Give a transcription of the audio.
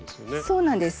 そうなんです。